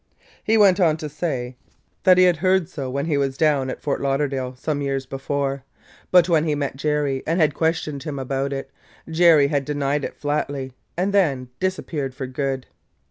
He went on to say that he had heard so when he was down at Fort Lauderdale some years before, but when he met Jerry and had questioned him about it, Jerry had denied it flatly and then disappeared for good.